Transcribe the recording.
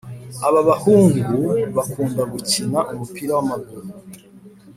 Ababahungu bakunda gukina umupira wamaguru